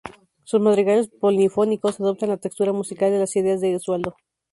Sus madrigales polifónicos adoptan la textura musical de las ideas de Gesualdo.